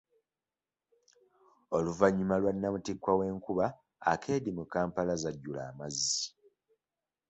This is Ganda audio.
Oluvannyuma lwa namuttikwa w'enkuba, akeedi mu kampala zajjula amazzi.